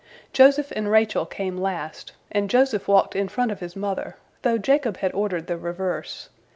Joseph and Rachel came last, and Joseph walked in front of his mother, though Jacob had ordered the reverse.